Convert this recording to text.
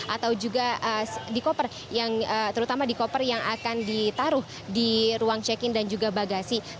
atau juga di koper terutama di koper yang akan ditaruh di ruang check in dan juga bagasi